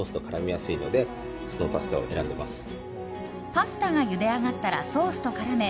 パスタがゆで上がったらソースと絡め